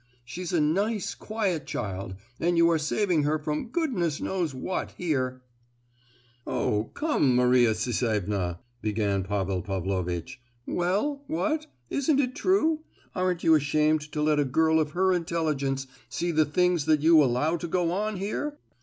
She's a nice quiet child, and you are saving her from goodness knows what, here!" "Oh! come—Maria Sisevna,"—began Pavel Pavlovitch. "Well? What? Isn't it true! Arn't you ashamed to let a girl of her intelligence see the things that you allow to go on here?